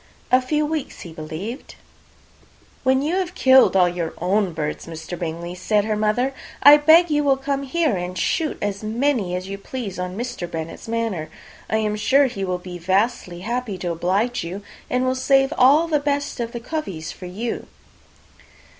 A few weeks, he believed. "When you have killed all your own birds, Mr. Bingley," said her mother, "I beg you will come here and shoot as many as you please on Mr. Bennet's manor. I am sure he will be vastly happy to oblige you, and will save all the best of the coveys for you."